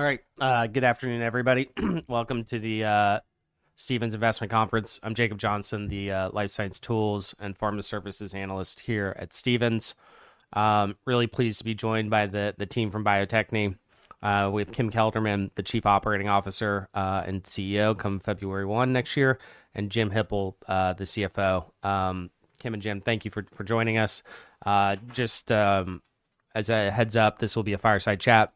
All right. Good afternoon, everybody. Welcome to the Stephens Investment Conference. I'm Jacob Johnson, the life science tools and pharma services analyst here at Stephens. Really pleased to be joined by the team from Bio-Techne, with Kim Kelderman, the Chief Operating Officer, and CEO come February 1 next year, and Jim Hippel, the CFO. Kim and Jim, thank you for joining us. Just as a heads-up, this will be a fireside chat,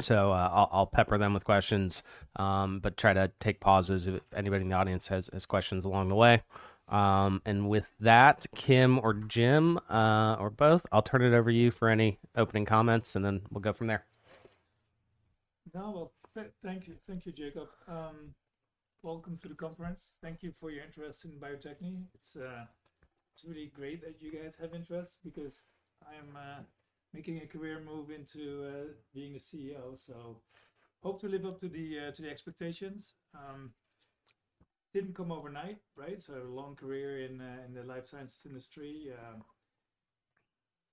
so I'll pepper them with questions, but try to take pauses if anybody in the audience has questions along the way. And with that, Kim or Jim, or both, I'll turn it over to you for any opening comments, and then we'll go from there. No, well, thank you. Thank you, Jacob. Welcome to the conference. Thank you for your interest in Bio-Techne. It's really great that you guys have interest because I'm making a career move into being a CEO, so hope to live up to the expectations. Didn't come overnight, right? So a long career in the life sciences industry.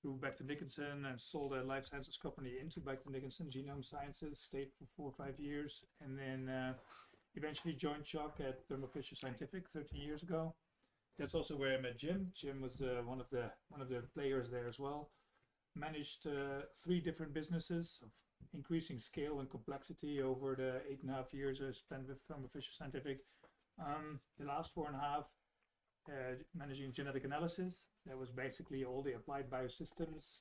Moved back to Becton Dickinson and sold a life sciences company into Becton Dickinson, GeneOhm Sciences. Stayed for four or five years and then eventually joined Chuck at Thermo Fisher Scientific 13 years ago. That's also where I met Jim. Jim was one of the players there as well. Managed three different businesses of increasing scale and complexity over the eight and a half years I spent with Thermo Fisher Scientific. The last 4.5, managing genetic analysis, that was basically all the Applied Biosystems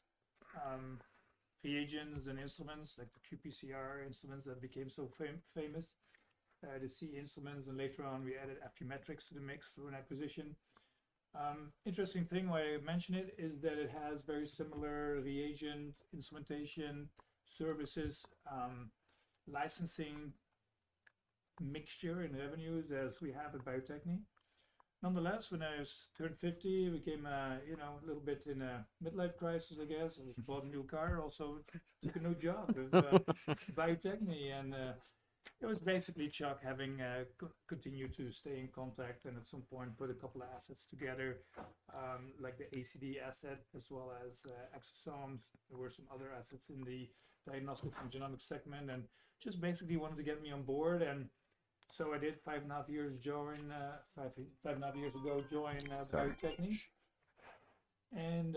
reagents and instruments like the qPCR instruments that became so famous, the CE instruments, and later on we added Affymetrix to the mix through an acquisition. Interesting thing why I mention it, is that it has very similar reagent, instrumentation, services, licensing mixture in revenues as we have at Bio-Techne. Nonetheless, when I was turned 50, became a little bit in a midlife crisis, I guess, and bought a new car. Also, took a new job at Bio-Techne, and, it was basically Chuck having, continued to stay in contact, and at some point put a couple of assets together, like the ACD asset as well as, Exosomes. There were some other assets in the diagnostic and genomic segment, and just basically wanted to get me on board, and so I did 5.5 years ago, joining Bio-Techne. And,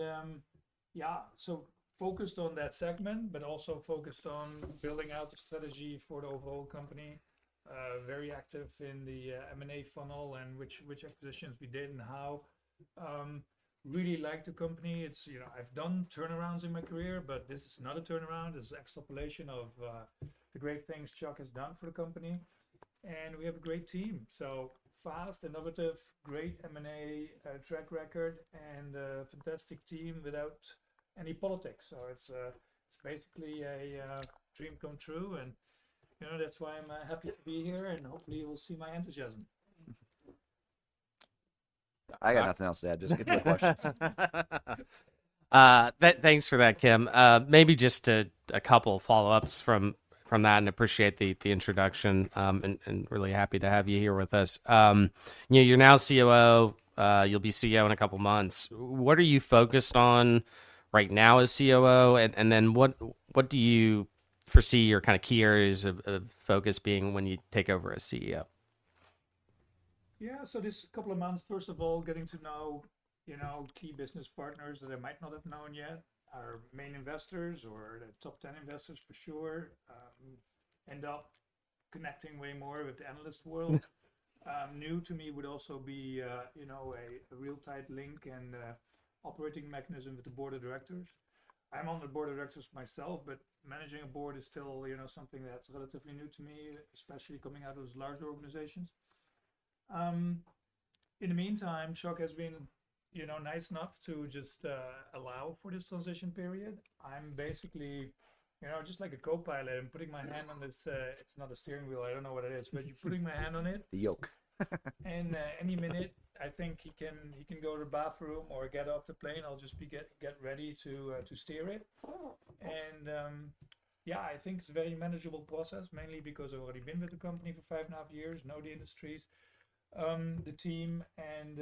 yeah, so focused on that segment, but also focused on building out the strategy for the overall company. Very active in the M&A funnel and which acquisitions we did and how. Really like the company. it's I've done turnarounds in my career, but this is not a turnaround. This is extrapolation of the great things Chuck has done for the company, and we have a great team. So fast, innovative, great M&A track record, and a fantastic team without any politics. So it's basically a dream come true. That's why I'm happy to be here, and hopefully, you will see my enthusiasm. I got nothing else to add. Just get to the questions. Thanks for that, Kim. Maybe just a couple follow-ups from that, and appreciate the introduction, and really happy to have you here with us. you're now COO, you'll be CEO in a couple of months. What are you focused on right now as COO, and then what do you foresee your kind of key areas of focus being when you take over as CEO? Yeah. So this couple of months, first of all, getting to know key business partners that I might not have known yet, our main investors or the top 10 investors for sure. End up connecting way more with the analyst world. New to me would also be a real tight link and operating mechanism with the board of directors. I'm on the board of directors myself, but managing a board is still something that's relatively new to me, especially coming out of those large organizations. In the meantime, Chuck has been nice enough to just allow for this transition period. I'm basically just like a co-pilot. I'm putting my hand on this... It's not a steering wheel, I don't know what it is, but putting my hand on it. The yoke. Any minute, I think he can go to the bathroom or get off the plane. I'll just be get ready to steer it. Yeah, I think it's a very manageable process, mainly because I've already been with the company for five and a half years, know the industries, the team, and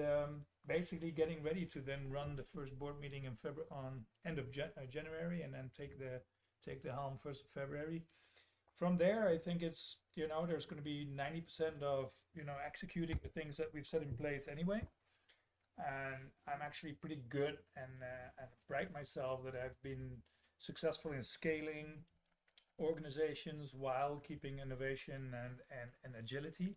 basically getting ready to then run the first board meeting in February on end of January, and then take the helm 1st of February. From there, I think it's there's gonna be 90% of executing the things that we've set in place anyway. I'm actually pretty good and pride myself that I've been successful in scaling organizations while keeping innovation and agility,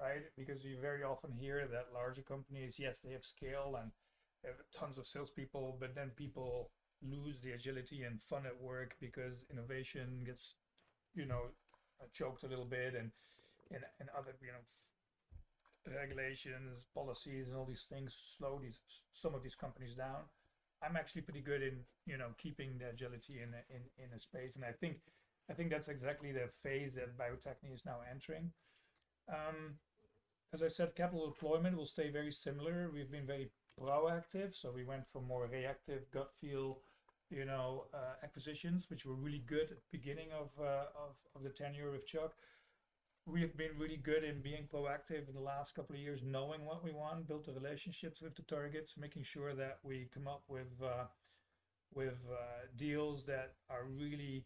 right? Because you very often hear that larger companies, yes, they have scale and they have tons of salespeople, but then people lose the agility and fun at work because innovation gets choked a little bit and other regulations, policies, and all these things slow these, some of these companies down. I'm actually pretty good in keeping the agility in a space, and I think that's exactly the phase that Bio-Techne is now entering. As I said, capital deployment will stay very similar. We've been very proactive, so we went from more reactive gut feel acquisitions, which were really good at beginning of the tenure with Chuck. We have been really good in being proactive in the last couple of years, knowing what we want, build the relationships with the targets, making sure that we come up with deals that are really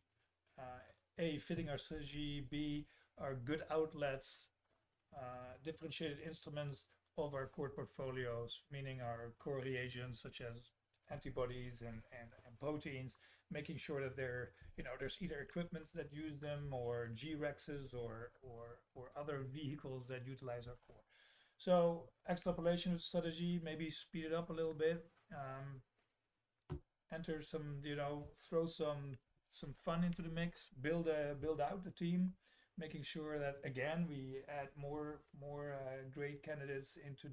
A, fitting our strategy, B, are good outlets, differentiated instruments of our core portfolios, meaning our core reagents, such as antibodies and proteins, making sure that they're there's either equipments that use them, or G-Rexes, or other vehicles that utilize our core. So extrapolation strategy, maybe speed it up a little bit. Enter some throw some fun into the mix, build out the team, making sure that, again, we add more great candidates into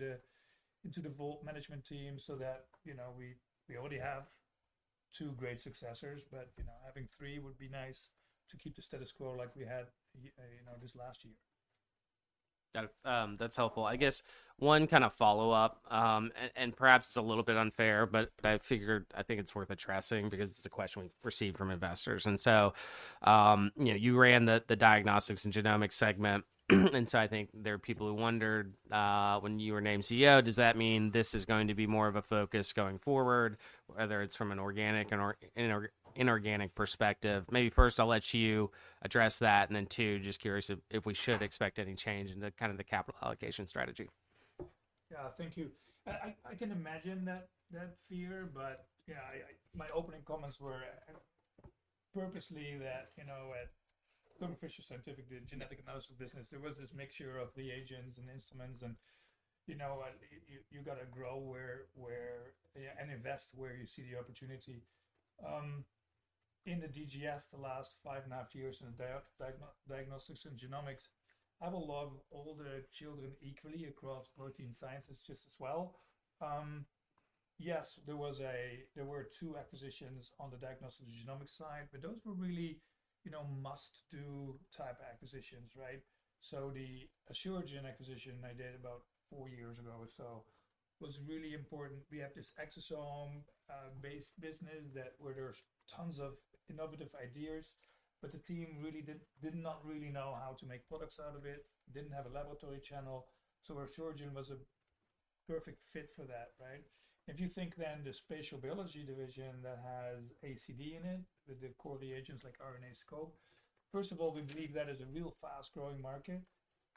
the vault management team, so that, you know... We already have two great successors, but having three would be nice to keep the status quo like we had this last year. Got it. That's helpful. I guess one kind of follow-up, and perhaps it's a little bit unfair, but I figured, I think it's worth addressing because it's a question we've received from investors. And so you ran the diagnostics and genomics segment, and so I think there are people who wondered, when you were named CEO, does that mean this is going to be more of a focus going forward, whether it's from an organic or inorganic perspective? Maybe first I'll let you address that, and then two, just curious if we should expect any change in the kind of the capital allocation strategy. Yeah. Thank you. I can imagine that fear, but yeah. My opening comments were purposely that at Thermo Fisher Scientific, the genetic analysis business, there was this mixture of reagents and instruments, and you gotta grow where and invest where you see the opportunity. In the DGS, the last five and a half years in diagnostics and genomics, I will love all the children equally across protein sciences just as well. Yes, there were two acquisitions on the diagnostics and genomics side, but those were really must-do type acquisitions, right? So the Asuragen acquisition I did about four years ago or so, was really important. We have this Exosome-based business that, where there's tons of innovative ideas, but the team really did not really know how to make products out of it, didn't have a laboratory channel, so Asuragen was a perfect fit for that, right? If you think then the spatial biology division that has ACD in it, with the core reagents like RNAscope, first of all, we believe that is a real fast-growing market.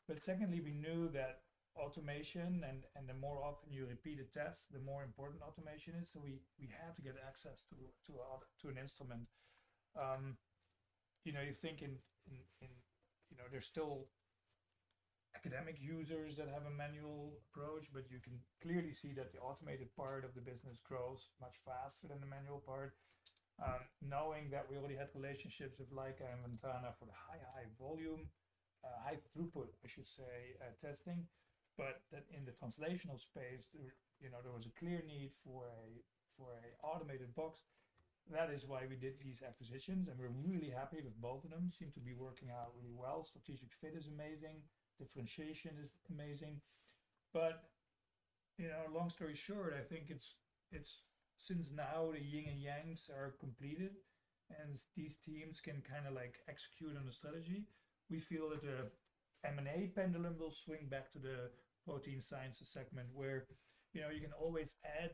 But secondly, we knew that automation and the more often you repeat a test, the more important automation is. So we had to get access to an instrument. you think in there's still academic users that have a manual approach, but you can clearly see that the automated part of the business grows much faster than the manual part. Knowing that we already had relationships with Leica and Ventana for the high, high volume, high throughput, I should say, testing, but that in the translational space, there there was a clear need for a automated box. That is why we did these acquisitions, and we're really happy with both of them. Seem to be working out really well. Strategic fit is amazing, differentiation is amazing. but long story short, I think it's since now the yin and yangs are completed, and these teams can kind of like execute on the strategy. We feel that the M&A pendulum will swing back to the protein sciences segment, where you can always add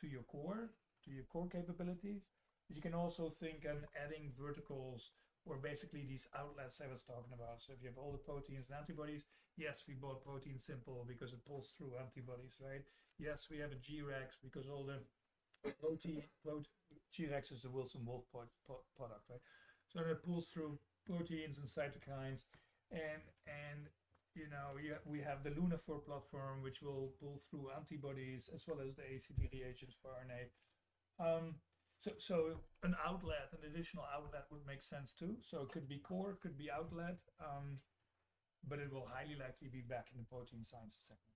to your core, to your core capabilities, but you can also think on adding verticals or basically these outlets I was talking about. So if you have all the proteins and antibodies, yes, we bought ProteinSimple because it pulls through antibodies, right? Yes, we have a G-Rex because all the protein, G-Rex is a Wilson Wolf product, right? So it pulls through proteins and cytokines and we have the Lunaphore platform, which will pull through antibodies as well as the ACD reagents for RNA. So an additional outlet would make sense, too. So it could be core, it could be outlet, but it will highly likely be back in the protein sciences segment.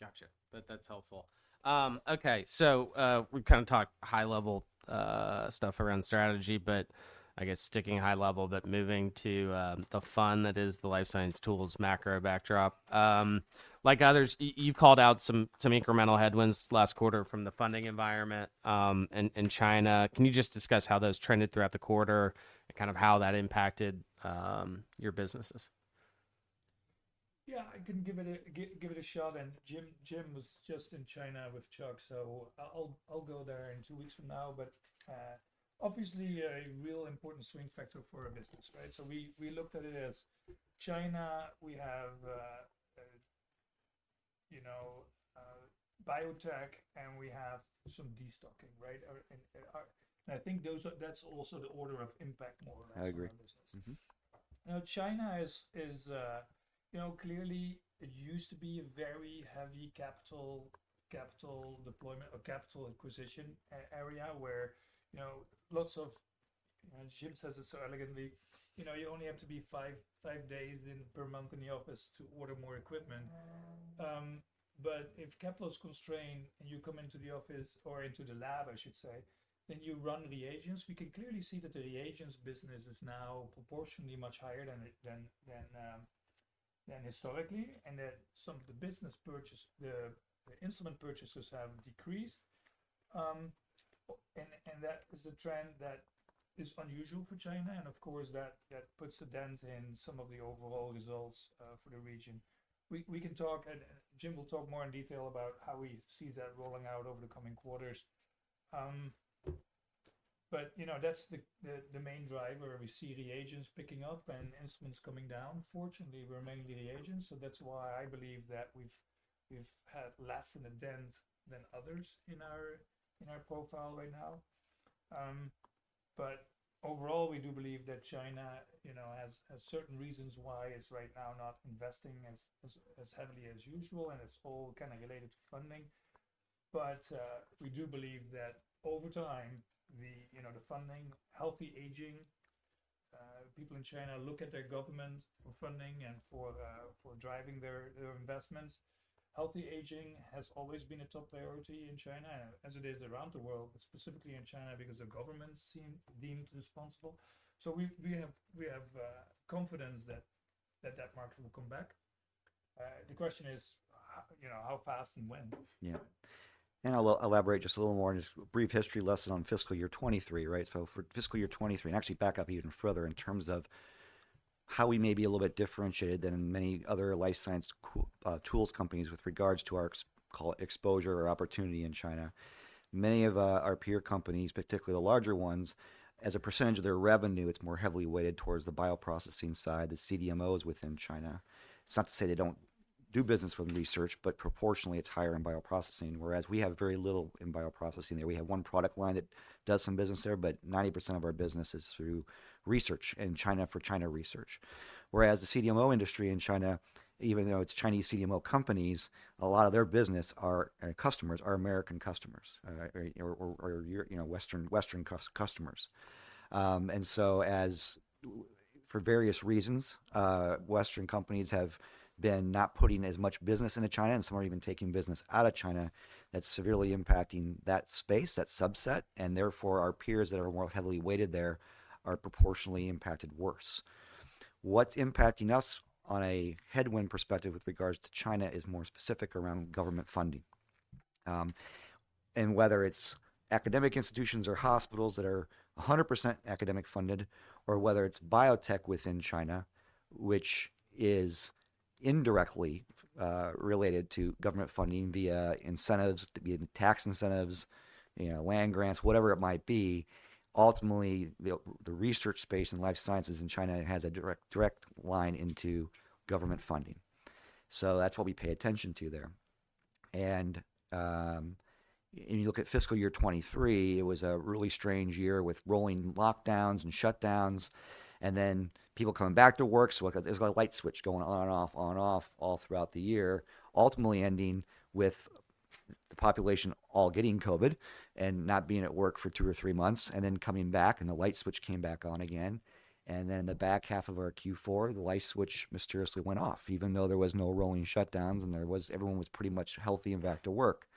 Gotcha. That, that's helpful. Okay, so, we kind of talked high-level stuff around strategy, but I guess sticking high level, but moving to the fun that is the life science tools macro backdrop. Like others, you've called out some, some incremental headwinds last quarter from the funding environment in China. Can you just discuss how those trended throughout the quarter and kind of how that impacted your businesses? Yeah, I can give it a shot. And Jim was just in China with Chuck, so I'll go there in two weeks from now. But obviously, a real important swing factor for our business, right? So we looked at it as China, we have biotech, and we have some destocking, right? And I think those are—that's also the order of impact more or less- I agree. On our business. Now, China is clearly it used to be a very heavy capital deployment or capital acquisition area where lots of... And Jim says it so elegantly you only have to be five days in per month in the office to order more equipment. But if capital is constrained and you come into the office or into the lab, I should say, then you run reagents. We can clearly see that the reagents business is now proportionally much higher than it than historically, and that some of the business purchase, the instrument purchases have decreased.... And that is a trend that is unusual for China, and of course, that puts a dent in some of the overall results, for the region. We can talk, and Jim will talk more in detail about how we see that rolling out over the coming quarters. but that's the main driver. We see reagents picking up and instruments coming down. Fortunately, we're mainly reagents, so that's why I believe that we've had less of a dent than others in our profile right now. But overall, we do believe that china has certain reasons why it's right now not investing as heavily as usual, and it's all kinda related to funding. But we do believe that over time, the funding, healthy aging, people in China look at their government for funding and for driving their investments. Healthy aging has always been a top priority in China, as it is around the world, but specifically in China, because the government deemed responsible. So we have confidence that that market will come back. the question is how fast and when? Yeah. I'll elaborate just a little more, and just a brief history lesson on fiscal year 2023, right? So for fiscal year 2023, and actually back up even further in terms of how we may be a little bit differentiated than many other life science tools companies with regards to our exposure or opportunity in China. Many of our peer companies, particularly the larger ones, as a percentage of their revenue, it's more heavily weighted towards the bioprocessing side, the CDMOs within China. It's not to say they don't do business with research, but proportionally, it's higher in bioprocessing, whereas we have very little in bioprocessing there. We have one product line that does some business there, but 90% of our business is through research in China for China research. Whereas the CDMO industry in China, even though it's Chinese CDMO companies, a lot of their business are, customers, are American customers, or Western, Western customers. And so as for various reasons, Western companies have been not putting as much business into China, and some are even taking business out of China. That's severely impacting that space, that subset, and therefore, our peers that are more heavily weighted there are proportionally impacted worse. What's impacting us on a headwind perspective with regards to China is more specific around government funding. And whether it's academic institutions or hospitals that are 100% academic funded, or whether it's biotech within China, which is indirectly related to government funding via incentives, be it tax incentives land grants, whatever it might be, ultimately, the research space and life sciences in China has a direct line into government funding. So that's what we pay attention to there. And you look at fiscal year 2023, it was a really strange year with rolling lockdowns and shutdowns, and then people coming back to work. So like, there was a light switch going on and off, on and off, all throughout the year, ultimately ending with the population all getting COVID and not being at work for two or three months, and then coming back, and the light switch came back on again. And then in the back half of our Q4, the light switch mysteriously went off, even though there was no rolling shutdowns and everyone was pretty much healthy and back to work.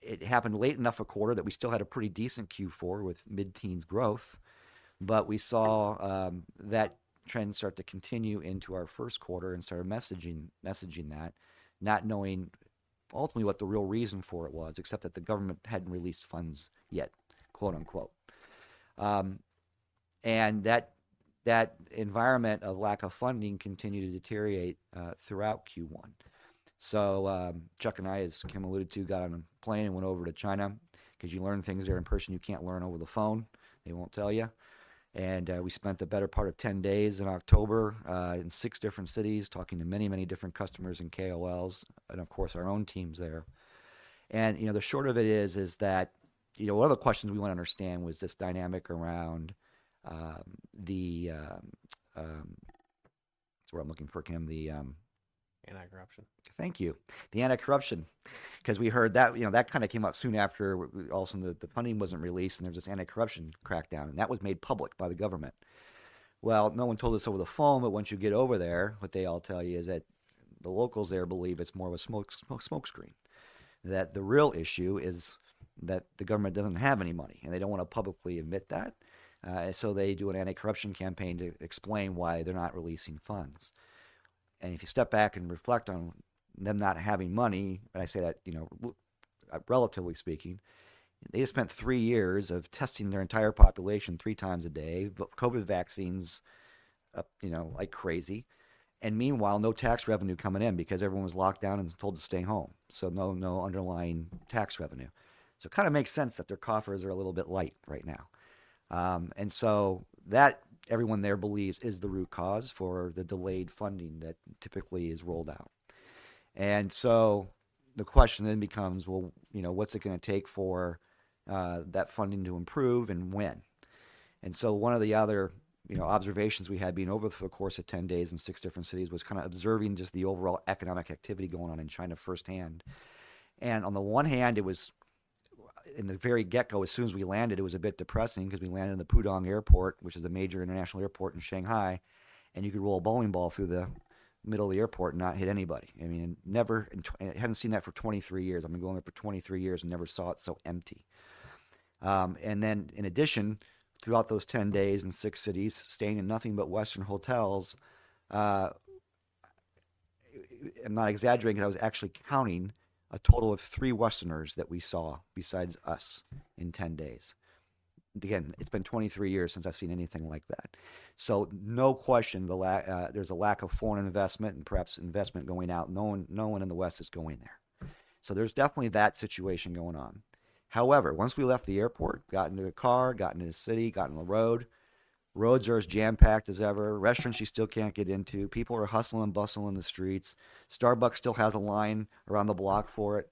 It happened late enough a quarter that we still had a pretty decent Q4 with mid-teens growth, but we saw that trend start to continue into our first quarter and started messaging, messaging that, not knowing ultimately what the real reason for it was, except that the government hadn't "released funds yet," quote, unquote. And that, that environment of lack of funding continued to deteriorate throughout Q1. So, Chuck and I, as Kim alluded to, got on a plane and went over to China, because you learn things there in person you can't learn over the phone. They won't tell you. We spent the better part of 10 days in October in 6 different cities, talking to many, many different customers and KOLs, and of course, our own teams there. the short of it is that one of the questions we want to understand was this dynamic around the... What's the word I'm looking for, Kim? The Anti-corruption. Thank you. The anti-corruption, because we heard that that kinda came out soon after all of a sudden, the funding wasn't released, and there was this anti-corruption crackdown, and that was made public by the government. Well, no one told us over the phone, but once you get over there, what they all tell you is that the locals there believe it's more of a smoke screen. That the real issue is that the government doesn't have any money, and they don't wanna publicly admit that, so they do an anti-corruption campaign to explain why they're not releasing funds. And if you step back and reflect on them not having money, and I say that relatively speaking, they spent three years of testing their entire population three times a day, with COVID vaccines like crazy, and meanwhile, no tax revenue coming in because everyone was locked down and told to stay home. So no, no underlying tax revenue. So it kinda makes sense that their coffers are a little bit light right now. And so that, everyone there believes, is the root cause for the delayed funding that typically is rolled out. And so the question then becomes: well what's it gonna take for that funding to improve, and when? And so one of the other observations we had, being over for the course of 10 days in 6 different cities, was kinda observing just the overall economic activity going on in China firsthand. And on the one hand, it was, in the very get-go, as soon as we landed, it was a bit depressing because we landed in the Pudong Airport, which is a major international airport in Shanghai, and you could roll a bowling ball through the middle of the airport and not hit anybody. I mean, I hadn't seen that for 23 years. I've been going there for 23 years and never saw it so empty. And then in addition, throughout those 10 days in 6 cities, staying in nothing but Western hotels. I'm not exaggerating, I was actually counting a total of 3 Westerners that we saw besides us in 10 days. Again, it's been 23 years since I've seen anything like that. So no question, there's a lack of foreign investment and perhaps investment going out. No one, no one in the West is going there. So there's definitely that situation going on. However, once we left the airport, got into a car, got into the city, got on the road, roads are as jam-packed as ever. Restaurants you still can't get into. People are hustling and bustling in the streets. Starbucks still has a line around the block for it.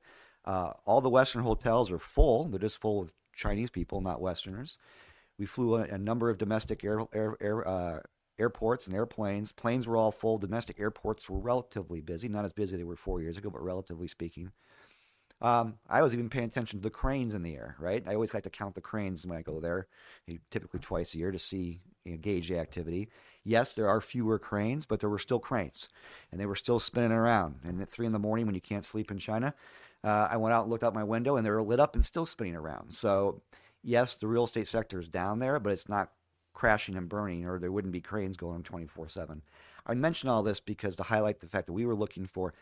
All the Western hotels are full. They're just full of Chinese people, not Westerners. We flew a number of domestic airports and airplanes. Planes were all full. Domestic airports were relatively busy, not as busy as they were 4 years ago, but relatively speaking. I was even paying attention to the cranes in the air, right? I always like to count the cranes when I go there, typically twice a year, to see and gauge the activity. Yes, there are fewer cranes, but there were still cranes, and they were still spinning around. And at 3:00 A.M., when you can't sleep in China, I went out and looked out my window, and they were lit up and still spinning around. So yes, the real estate sector is down there, but it's not crashing and burning, or there wouldn't be cranes going on 24/7. I mention all this because to highlight the fact that we were looking for,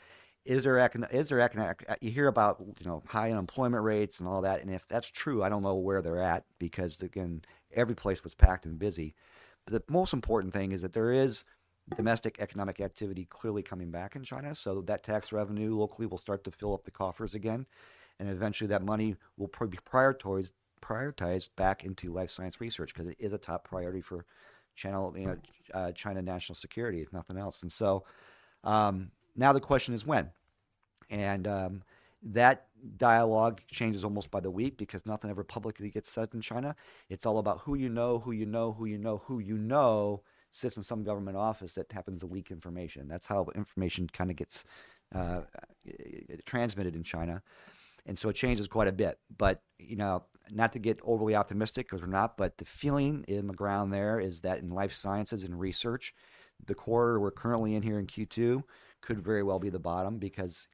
is there economic, you hear about high unemployment rates and all that, and if that's true, I don't know where they're at, because again, every place was packed and busy. The most important thing is that there is domestic economic activity clearly coming back in China, so that tax revenue locally will start to fill up the coffers again, and eventually, that money will be prioritized back into life science research, because it is a top priority for china China national security, if nothing else. So, now the question is when? And, that dialogue changes almost by the week because nothing ever publicly gets said in China. It's all about who you know sits in some government office that happens to leak information. That's how information kinda gets transmitted in China, and so it changes quite a bit. But not to get overly optimistic or not, but the feeling in the ground there is that in life sciences and research, the quarter we're currently in here in Q2, could very well be the bottom, because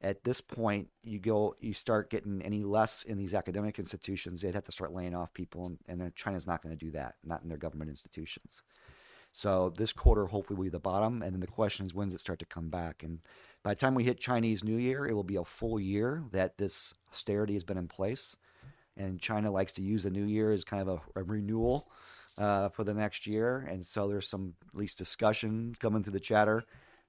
at this point, you go, you start getting any less in these academic institutions, they'd have to start laying off people, and then China's not gonna do that, not in their government institutions. So this quarter hopefully will be the bottom, and then the question is: When does it start to come back? By the time we hit Chinese New Year, it will be a full year that this austerity has been in place, and China likes to use the New Year as kind of a renewal for the next year. So there's some at least discussion coming through the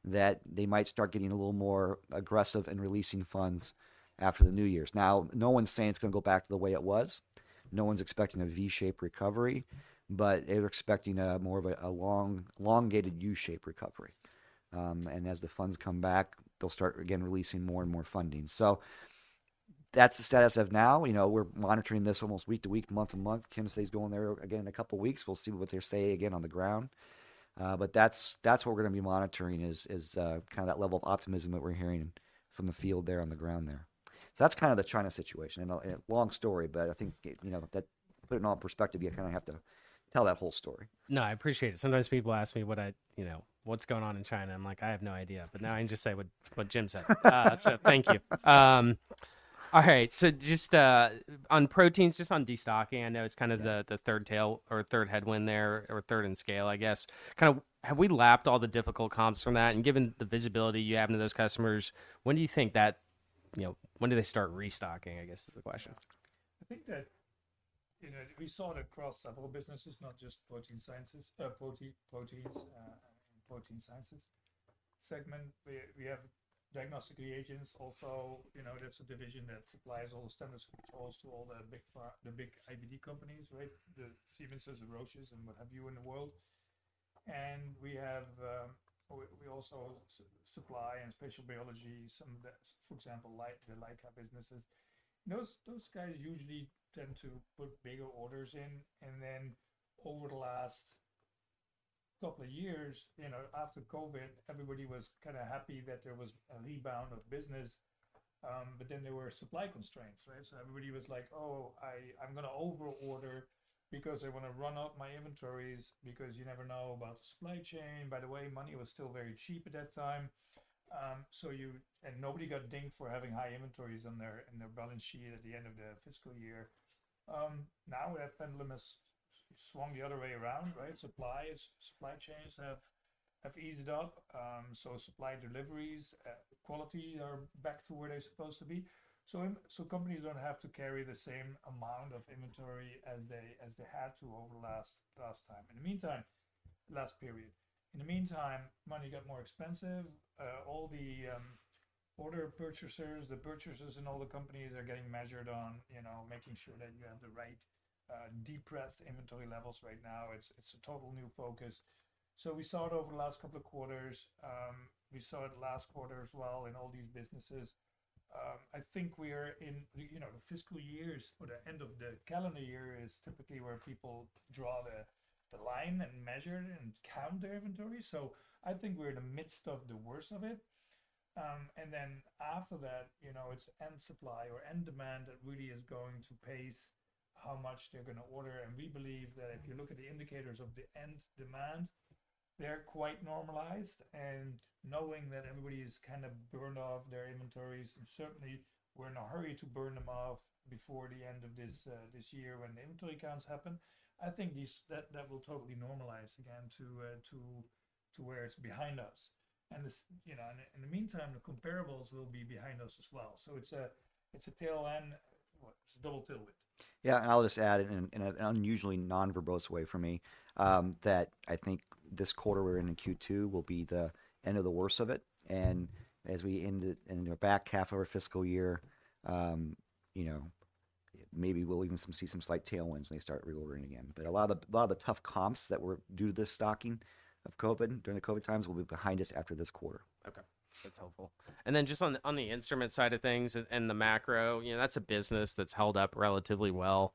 chatter that they might start getting a little more aggressive in releasing funds after the New Year's. Now, no one's saying it's gonna go back to the way it was. No one's expecting a V-shaped recovery, but they're expecting more of a long, elongated U-shaped recovery. And as the funds come back, they'll start again, releasing more and more funding. So that's the status as of now. we're monitoring this almost week to week, month to month. Kim says he's going there again in a couple of weeks. We'll see what they say again on the ground. But that's, that's what we're gonna be monitoring is, is, kinda that level of optimism that we're hearing from the field there on the ground there. So that's kind of the China situation. long story, but I think that put it in all perspective, you kinda have to tell that whole story. No, I appreciate it. Sometimes people ask me what I... "What's going on in China?" I'm like: I have no idea. But now I can just say what Jim said. So thank you. All right, so just on proteins, just on destocking, I know it's kind of the third tail or third headwind there, or third in scale, I guess. Kind of, have we lapped all the difficult comps from that? And given the visibility you have into those customers, when do you think that when do they start restocking, I guess, is the question. I think that we saw it across several businesses, not just protein sciences, proteins, and protein sciences segment. We have diagnostic reagents also. that's a division that supplies all the standards and controls to all the big IVD companies, right? The Siemens and Roche and what have you in the world. And we have, we also supply in spatial biology, some of the, for example, like the Leica lab businesses. Those guys usually tend to put bigger orders in, and then over the last couple of years after COVID, everybody was kinda happy that there was a rebound of business. But then there were supply constraints, right? So everybody was like: "Oh, I, I'm gonna overorder because I wanna run up my inventories, because you never know about the supply chain." By the way, money was still very cheap at that time. So you and nobody got dinged for having high inventories on their balance sheet at the end of the fiscal year. Now we have the pendulum has swung the other way around, right? Supply chains have eased up. So supply deliveries, quality are back to where they're supposed to be. So companies don't have to carry the same amount of inventory as they had to over the last time. In the meantime, last period. In the meantime, money got more expensive. All the order purchasers, the purchasers in all the companies are getting measured on making sure that you have the right depressed inventory levels right now. It's a total new focus. So we saw it over the last couple of quarters. We saw it last quarter as well in all these businesses. I think we are in the the fiscal years or the end of the calendar year is typically where people draw the line and measure and count their inventory. So I think we're in the midst of the worst of it. And then after that it's end supply or end demand that really is going to pace how much they're gonna order. And we believe that if you look at the indicators of the end demand, they're quite normalized. Knowing that everybody has kind of burned off their inventories, and certainly we're in a hurry to burn them off before the end of this year when the inventory counts happen, I think that will totally normalize again to where it's behind us. And this and in the meantime, the comparables will be behind us as well. So it's a tailwind. Well, it's a double tailwind. Yeah, and I'll just add in, in an unusually non-verbose way for me, that I think this quarter we're in, in Q2, will be the end of the worst of it. And as we end it in the back half of our fiscal year maybe we'll even see some slight tailwinds when they start reordering again. But a lot of, a lot of the tough comps that were due to the stocking of COVID, during the COVID times, will be behind us after this quarter. Okay, that's helpful. And then just on the instrument side of things and the macro that's a business that's held up relatively well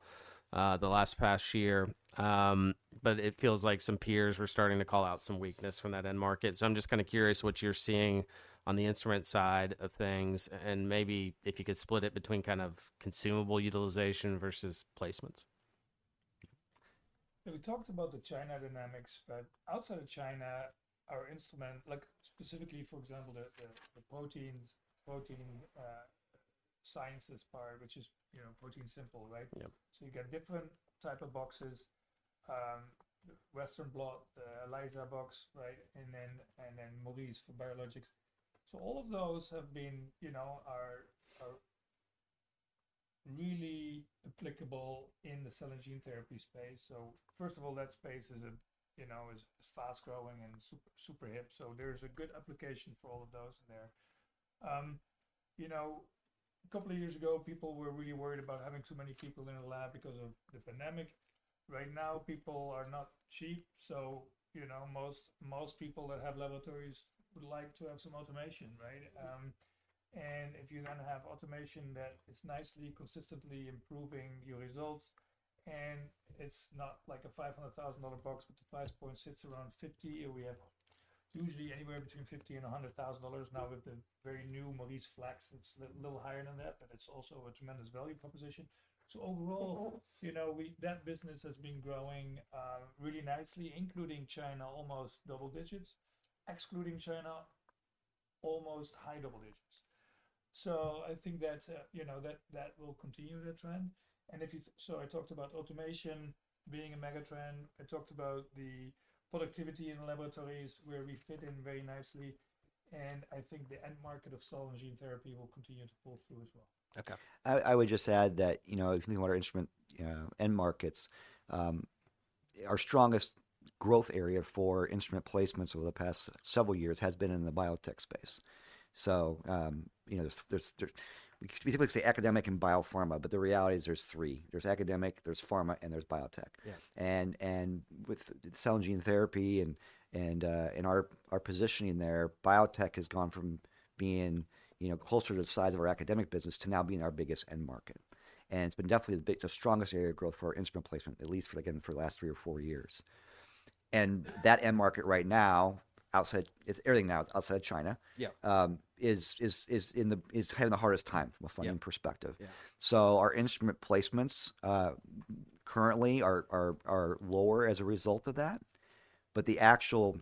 the last past year. But it feels like some peers were starting to call out some weakness from that end market. So I'm just kind of curious what you're seeing on the instrument side of things, and maybe if you could split it between kind of consumable utilization versus placements. Yeah, we talked about the China dynamics, but outside of China, our instrument... Like specifically, for example, the proteins, protein sciences part, which is ProteinSimple, right? Yep. So you get different type of boxes, Western blot, the ELISA box, right, and then, and then Maurice for biologics. So all of those have been are, are really applicable in the cell and gene therapy space. So first of all, that space is a is, is fast growing and super, super hip, so there's a good application for all of those in there. a couple of years ago, people were really worried about having too many people in a lab because of the pandemic. Right now, people are not cheap, so most, most people that have laboratories would like to have some automation, right? And if you're gonna have automation that is nicely, consistently improving your results, and it's not like a $500,000 box, but the price point sits around $50,000, and we have usually anywhere between $50,000 and $100,000. Now, with the very new MauriceFlex, it's a little higher than that, but it's also a tremendous value proposition. So overall that business has been growing really nicely, including China, almost double digits. Excluding China, almost high double digits. So I think that that will continue the trend. So I talked about automation being a mega trend. I talked about the productivity in laboratories, where we fit in very nicely, and I think the end market of cell and gene therapy will continue to pull through as well. Okay. I would just add that if you think about our instrument end markets, our strongest growth area for instrument placements over the past several years has been in the biotech space. we typically say academic and biopharma, but the reality is there's three: there's academic, there's pharma, and there's biotech. Yes. With cell and gene therapy and our positioning there, biotech has gone from being closer to the size of our academic business to now being our biggest end market. It's been definitely the strongest area of growth for our instrument placement, at least for, again, for the last three or four years. That end market right now, outside—it's everything now outside of China- Yeah... is having the hardest time from a funding perspective. Yeah. So our instrument placements currently are lower as a result of that. But the actual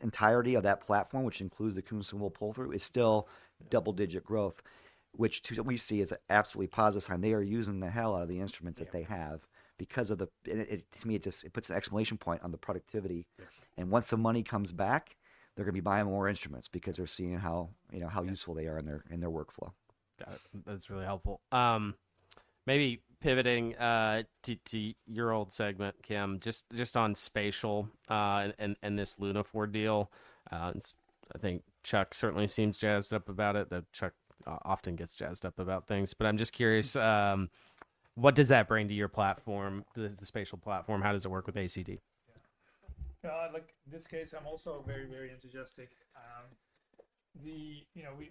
entirety of that platform, which includes the consumable pull-through, is still double-digit growth, which we see as an absolutely positive sign. They are using the hell out of the instruments. Yeah That they have because of the... And it to me, it just puts an exclamation point on the productivity. Yes. Once the money comes back, they're gonna be buying more instruments because they're seeing how how useful they are in their, in their workflow. Got it. That's really helpful. Maybe pivoting to your old segment, Kim, just on spatial and this Lunaphore deal. It's, I think Chuck certainly seems jazzed up about it, that Chuck often gets jazzed up about things. But I'm just curious, what does that bring to your platform, the spatial platform? How does it work with ACD? Yeah. Like this case, I'm also very, very enthusiastic. The... we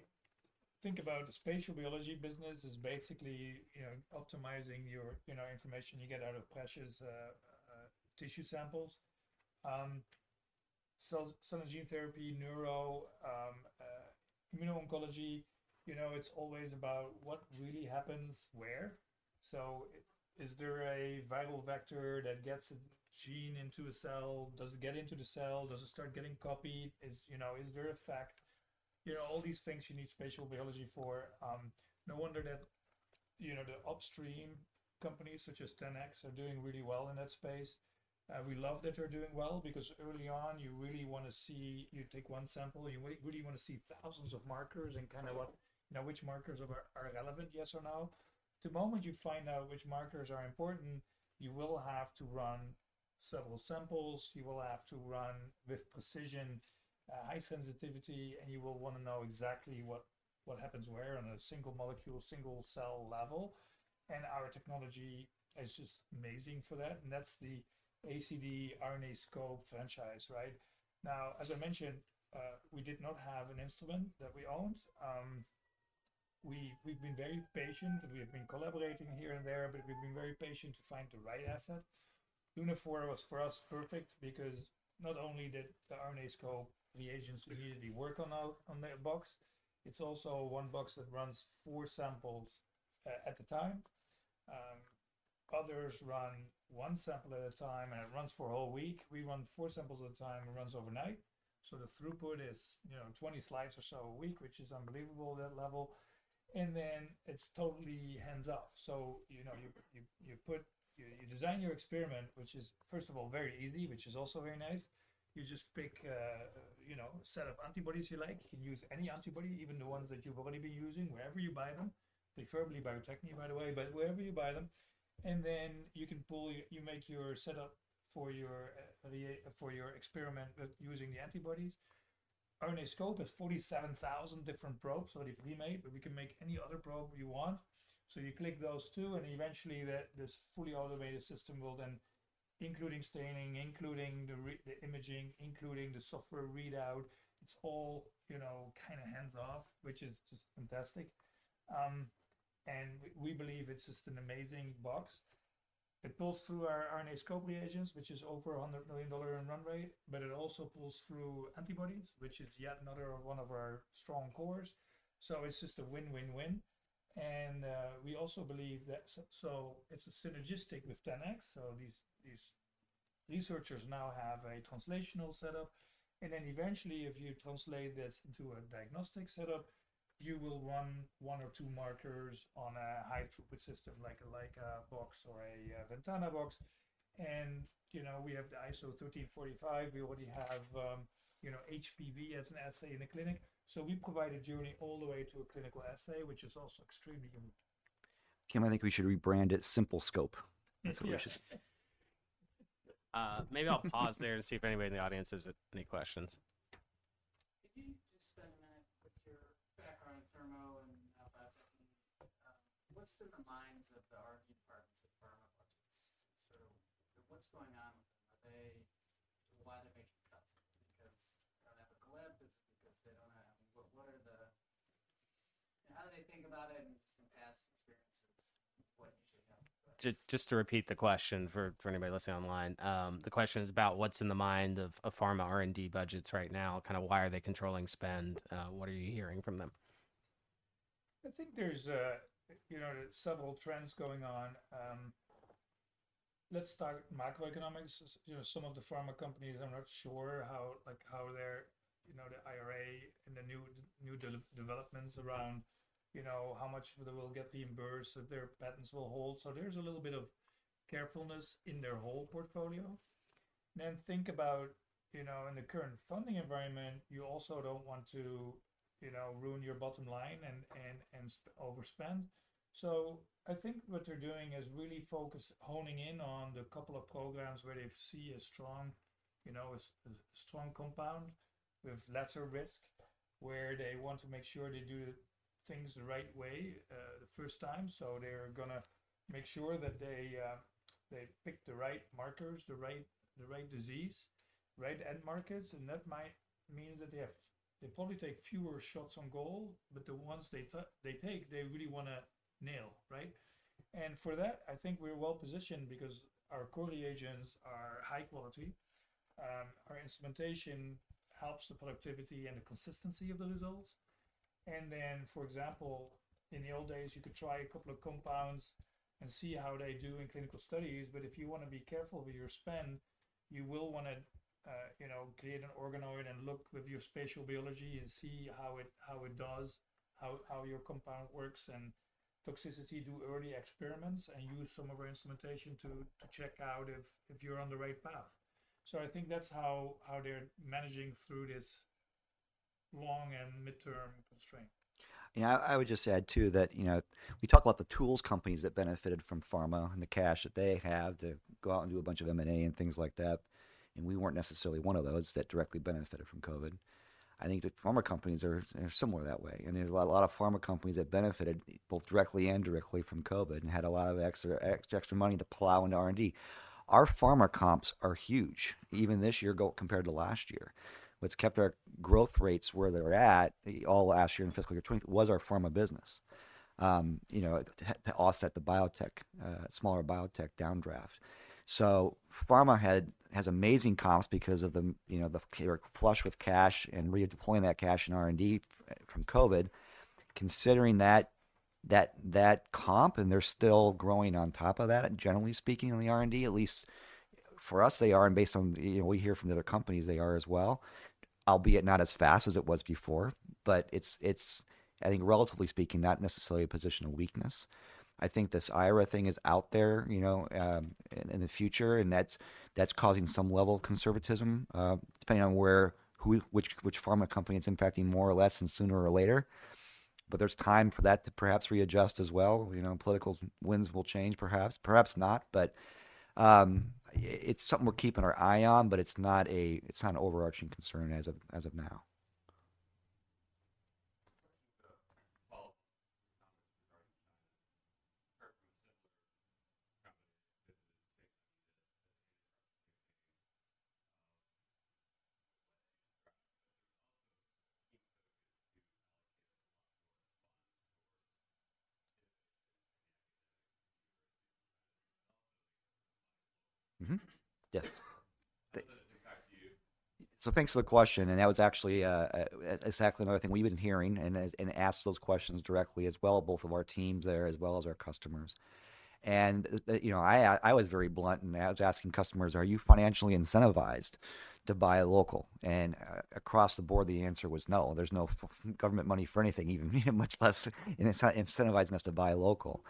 think about the spatial biology business as basically optimizing your information you get out of precious tissue samples. So cell and gene therapy, neuro, immuno-oncology it's always about what really happens where. So is there a viral vector that gets a gene into a cell? Does it get into the cell? Does it start getting copied? is is there effect? all these things you need spatial biology for. No wonder that the upstream companies, such as 10x, are doing really well in that space. We love that they're doing well, because early on, you really wanna see—you take one sample, and you really wanna see thousands of markers and kind of, like, know which markers are, are relevant, yes or no. The moment you find out which markers are important, you will have to run several samples, you will have to run with precision, high sensitivity, and you will wanna know exactly what, what happens where on a single molecule, single cell level. And our technology is just amazing for that, and that's the ACD RNAscope franchise, right? Now, as I mentioned, we did not have an instrument that we owned. We, we've been very patient, and we have been collaborating here and there, but we've been very patient to find the right asset. Lunaphore was, for us, perfect because not only did the RNAscope reagents immediately work on our, on their box, it's also one box that runs four samples at a time. Others run one sample at a time, and it runs for a whole week. We run four samples at a time, and it runs overnight. So the throughput is 20 slides or so a week, which is unbelievable, that level, and then it's totally hands-off. so you design your experiment, which is first of all, very easy, which is also very nice. You just pick a set of antibodies you like. You can use any antibody, even the ones that you've already been using, wherever you buy them, preferably Bio-Techne, by the way, but wherever you buy them. And then you can pull—you make your setup for your, the, for your experiment with using the antibodies. RNAscope has 47,000 different probes already pre-made, but we can make any other probe you want. So you click those two, and eventually, this fully automated system will then, including staining, including the imaging, including the software readout, it's all kinda hands-off, which is just fantastic. And we believe it's just an amazing box. It pulls through our RNAscope reagents, which is over $100 million in run rate, but it also pulls through antibodies, which is yet another one of our strong cores. So it's just a win-win-win, and we also believe that... So it's a synergistic with 10x. So these researchers now have a translational setup, and then eventually, if you translate this into a diagnostic setup, you will run one or two markers on a high-throughput system, like a box or a Ventana box. we have the ISO 13485. We already have HPV as an assay in the clinic. So we provide a journey all the way to a clinical assay, which is also extremely important. Kim, I think we should rebrand it Simple Scope. That's what we should- Maybe I'll pause there and see if anybody in the audience has any questions. Could you just spend a minute with your background in Thermo and now Bio-Techne, what's in the minds of the R&D departments of pharma budgets? So what's going on with them? Are they— Why they're making cuts? Because they don't have a colab, is it because they don't have... What, what are the— How do they think about it in some past experiences? What usually happens? Just to repeat the question for anybody listening online. The question is about what's in the mind of pharma R&D budgets right now. Kinda why are they controlling spend? What are you hearing from them? I think there's several trends going on. Let's start with macroeconomics. some of the pharma companies are not sure how—like, how they're the IRA and the new developments around how much they will get reimbursed, if their patents will hold. So there's a little bit of carefulness in their whole portfolio. Then think about in the current funding environment, you also don't want to ruin your bottom line and overspend. So I think what they're doing is really focusing, honing in on the couple of programs where they see a strong a strong compound with lesser risk, where they want to make sure they do things the right way, the first time. So they're gonna make sure that they, they pick the right markers, the right, the right disease, right end markets, and that might mean that they have, they probably take fewer shots on goal, but the ones they take, they really wanna nail, right? And for that, I think we're well-positioned because our core reagents are high quality. Our instrumentation helps the productivity and the consistency of the results. And then, for example, in the old days, you could try a couple of compounds and see how they do in clinical studies. But if you wanna be careful with your spend, you will wanna create an organoid and look with your spatial biology and see how it does, how your compound works, and toxicity, do early experiments, and use some of our instrumentation to check out if you're on the right path. So I think that's how they're managing through this long and midterm constraint. Yeah, I would just add, too, that we talk about the tools companies that benefited from pharma and the cash that they have to go out and do a bunch of M&A and things like that, and we weren't necessarily one of those that directly benefited from COVID. I think the pharma companies are similar that way, and there's a lot of pharma companies that benefited both directly and indirectly from COVID and had a lot of extra money to plow into R&D. Our pharma comps are huge, even this year compared to last year. What's kept our growth rates where they're at, all last year in fiscal year 2020, was our pharma business. to offset the biotech, smaller biotech downdraft. So pharma has amazing comps because of the they were flush with cash and redeploying that cash in R&D from COVID. Considering that comp, and they're still growing on top of that, generally speaking, in the R&D, at least for us, they are, and based on we hear from the other companies, they are as well, albeit not as fast as it was before. But it's, I think, relatively speaking, not necessarily a position of weakness. I think this IRA thing is out there in the future, and that's causing some level of conservatism, depending on where, which pharma company it's impacting more or less, and sooner or later. But there's time for that to perhaps readjust as well. political winds will change, perhaps. Perhaps not, but it's something we're keeping our eye on, but it's not an overarching concern as of now. Follow up regarding China. Heard from a similar company that did the same thing. Yes. Back to you. So thanks for the question, and that was actually exactly another thing we've been hearing, and asked those questions directly as well, both of our teams there as well as our customers. And I was very blunt, and I was asking customers: "Are you financially incentivized to buy local?" And across the board, the answer was no. There's no government money for anything, even much less in incentivizing us to buy local.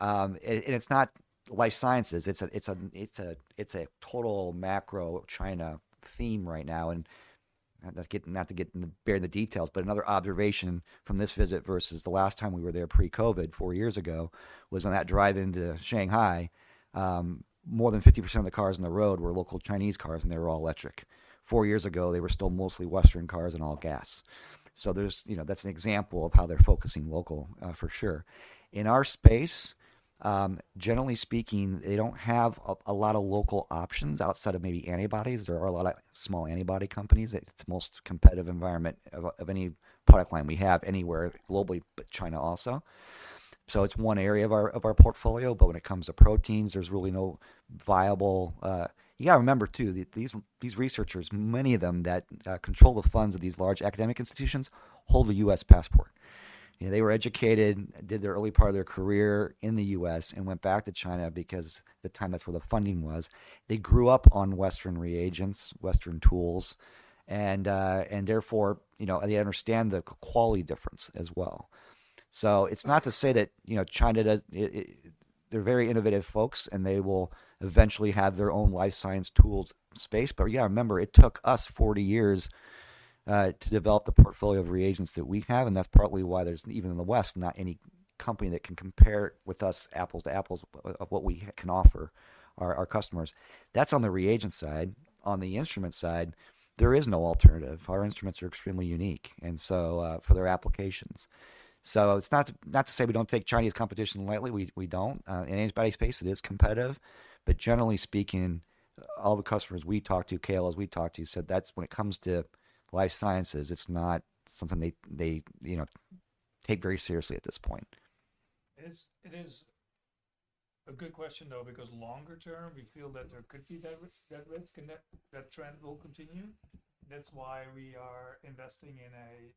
And it's not life sciences. It's a total macro China theme right now, and that's getting... Not to get into the details, but another observation from this visit versus the last time we were there pre-COVID, four years ago, was on that drive into Shanghai, more than 50% of the cars on the road were local Chinese cars, and they were all electric. Four years ago, they were still mostly Western cars and all gas. So there's... that's an example of how they're focusing local, for sure. In our space, generally speaking, they don't have a lot of local options outside of maybe antibodies. There are a lot of small antibody companies. It's the most competitive environment of any product line we have anywhere globally, but China also. So it's one area of our portfolio, but when it comes to proteins, there's really no viable... You gotta remember, too, that these researchers, many of them that control the funds of these large academic institutions, hold a U.S. passport. they were educated, did the early part of their career in the U.S. and went back to China because at the time, that's where the funding was. They grew up on Western reagents, Western tools, and therefore they understand the quality difference as well. So it's not to say that China does... They're very innovative folks, and they will eventually have their own life science tools space. But you gotta remember, it took us 40 years to develop the portfolio of reagents that we have, and that's partly why there's, even in the West, not any company that can compare with us, apples to apples, of what we can offer our customers. That's on the reagent side. On the instrument side, there is no alternative. Our instruments are extremely unique, and so for their applications. So it's not, not to say we don't take Chinese competition lightly. We, we don't. In the antibody space, it is competitive, but generally speaking, all the customers we talked to, KOLs we talked to, said that's when it comes to life sciences, it's not something they, they take very seriously at this point. It is a good question, though, because longer term, we feel that there could be that risk, and that trend will continue. That's why we are investing in a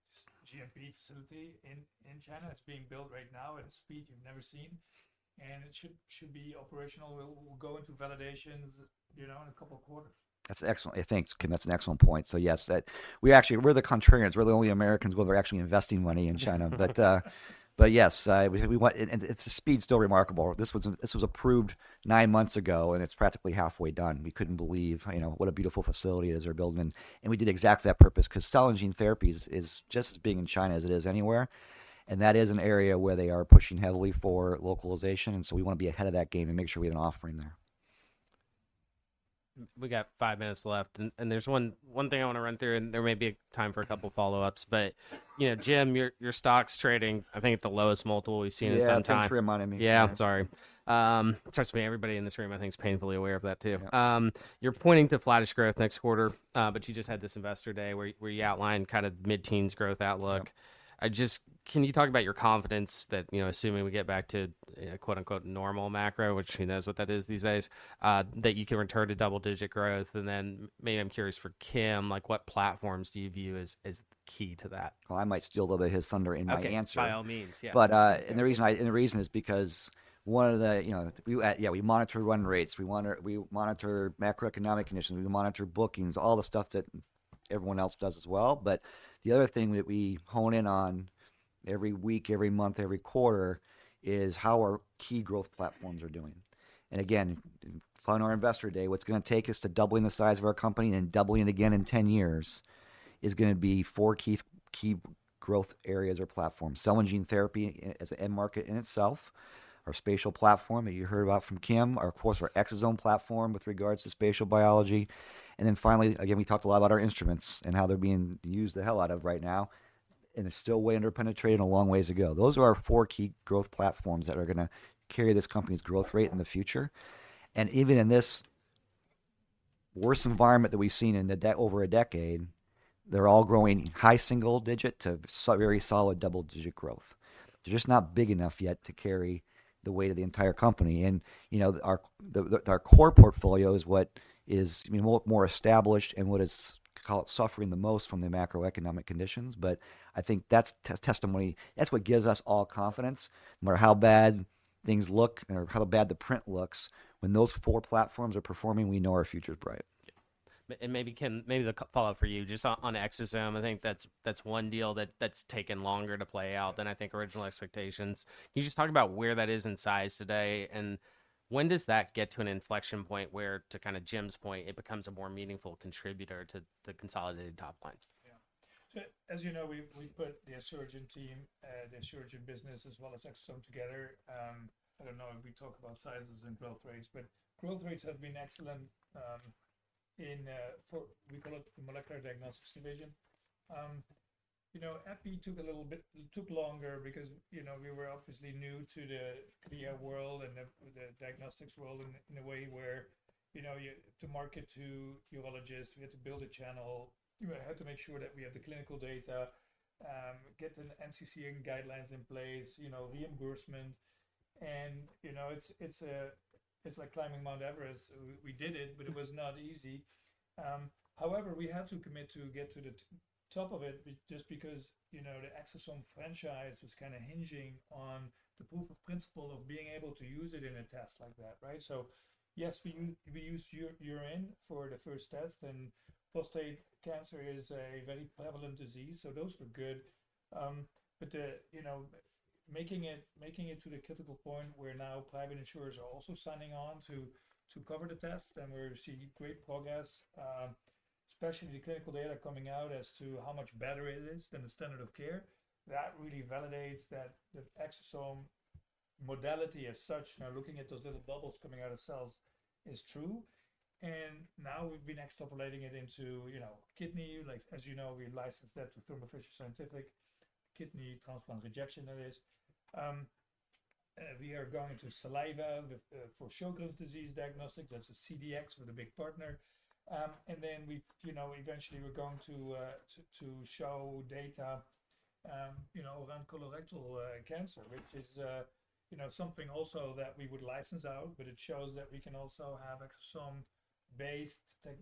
GMP facility in China. It's being built right now at a speed you've never seen, and it should be operational. We'll go into validations in a couple of quarters. That's excellent. Yeah, thanks, Kim. That's an excellent point. So, yes, that we actually—we're the contrarians. We're the only Americans who are actually investing money in China. But, but yes, we want... And it's the speed still remarkable. This was approved nine months ago, and it's practically halfway done. We couldn't believe what a beautiful facility they're building. And we did exactly that purpose, 'cause cell and gene therapies is just as big in China as it is anywhere, and that is an area where they are pushing heavily for localization, and so we want to be ahead of that game and make sure we have an offering there. We got five minutes left, and there's one thing I want to run through, and there may be time for a couple follow-ups. but Jim, your stock's trading, I think, at the lowest multiple we've seen in some time. Yeah, thanks for reminding me. Yeah, I'm sorry. Trust me, everybody in this room, I think, is painfully aware of that too. Yeah. You're pointing to flattish growth next quarter, but you just had this Investor Day where you outlined kind of mid-teens growth outlook. Yep. Can you talk about your confidence that assuming we get back to, quote-unquote, "normal macro," which who knows what that is these days, that you can return to double-digit growth? And then maybe I'm curious for Kim, like, what platforms do you view as key to that? Well, I might steal a little bit of his thunder in my answer. Okay. By all means, yes. But, and the reason is because one of the we, yeah, we monitor run rates, we monitor macroeconomic conditions, we monitor bookings, all the stuff that everyone else does as well. But the other thing that we hone in on every week, every month, every quarter, is how our key growth platforms are doing. Again, on our Investor Day, what's gonna take us to doubling the size of our company and doubling it again in 10 years is gonna be 4 key, key growth areas or platforms: cell and gene therapy as an end market in itself, our spatial platform that you heard about from Kim, of course, our Exosome platform with regards to spatial biology, and then finally, again, we talked a lot about our instruments and how they're being used the hell out of right now, and they're still way under-penetrated and a long ways to go. Those are our 4 key growth platforms that are gonna carry this company's growth rate in the future. And even in this worse environment that we've seen over a decade, they're all growing high single digit to very solid double-digit growth. They're just not big enough yet to carry the weight of the entire company. and our core portfolio is what is, I mean, more established and what is called suffering the most from the macroeconomic conditions. But I think that's testimony. That's what gives us all confidence. No matter how bad things look or how bad the print looks, when those four platforms are performing, we know our future is bright. Yeah. And maybe, Kim, maybe the follow-up for you, just on Exosome, I think that's, that's one deal that, that's taken longer to play out than I think original expectations. Can you just talk about where that is in size today, and when does that get to an inflection point where, to kind of Jim's point, it becomes a more meaningful contributor to the consolidated top line? Yeah. So, as we put the Asuragen team, the Asuragen business, as well as Exosome together. I don't know if we talk about sizes and growth rates, but growth rates have been excellent in we call it the molecular diagnostics division. Exo took a little bit longer because we were obviously new to the world and the diagnostics world in a way where to market to urologists, we had to build a channel. We had to make sure that we have the clinical data, get the NCCN guidelines in place reimbursement. and it's like climbing Mount Everest. We did it, but it was not easy. However, we had to commit to get to the top of it just because the Exosome franchise was kinda hinging on the proof of principle of being able to use it in a test like that, right? So yes, we used urine for the first test, and prostate cancer is a very prevalent disease, so those were good. but making it to the critical point where now private insurers are also signing on to cover the test, and we're seeing great progress. Especially the clinical data coming out as to how much better it is than the standard of care, that really validates that the Exosome modality as such, now looking at those little bubbles coming out of cells, is true. And now we've been extrapolating it into kidney. Like, as we licensed that to Thermo Fisher Scientific, kidney transplant rejection, that is. We are going to saliva with for Sjögren's disease diagnostics. That's a CDx with a big partner. And then we've— eventually we're going to to show data around colorectal cancer, which is something also that we would license out, but it shows that we can also have Exosome-based tech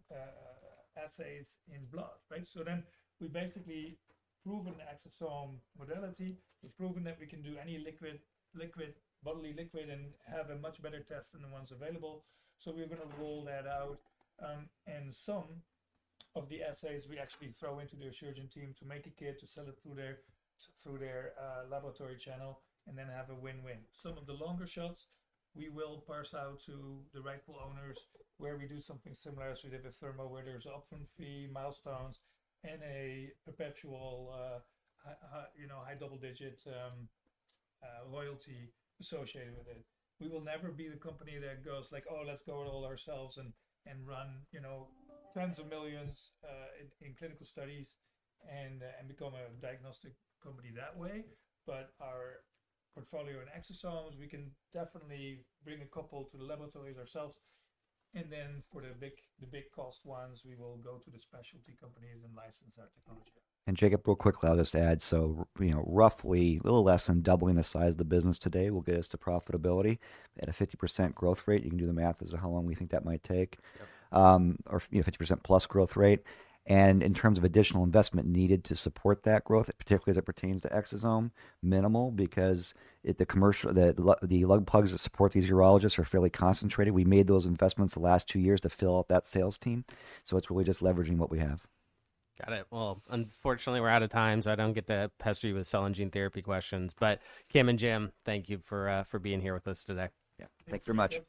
assays in blood, right? So then we've basically proven the Exosome modality. We've proven that we can do any liquid, liquid, bodily liquid, and have a much better test than the ones available. So we're gonna roll that out, and some of the assays we actually throw into the Asuragen team to make a kit, to sell it through their, through their, laboratory channel and then have a win-win. Some of the longer shots, we will parse out to the rightful owners, where we do something similar as we did with Thermo, where there's upfront fee, milestones, and a perpetual high double-digit, royalty associated with it. We will never be the company that goes like: Oh, let's go it all ourselves and, and run $10s of millions, in, in clinical studies and, and become a diagnostic company that way. Our portfolio in Exosomes, we can definitely bring a couple to the laboratories ourselves, and then for the big, the big cost ones, we will go to the specialty companies and license our technology. And, Jacob, real quickly, I'll just add. so roughly a little less than doubling the size of the business today will get us to profitability. At a 50% growth rate, you can do the math as to how long we think that might take. Yep. 50%+ growth rate. And in terms of additional investment needed to support that growth, particularly as it pertains to Exosome, minimal, because it... The commercial, the local reps that support these urologists are fairly concentrated. We made those investments the last two years to fill out that sales team, so it's really just leveraging what we have. Got it. Well, unfortunately, we're out of time, so I don't get to pester you with cell and gene therapy questions. But Kim and Jim, thank you for, for being here with us today. Yeah. Thanks very much.